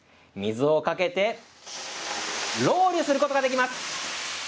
水をかけて、ロウリュすることができます。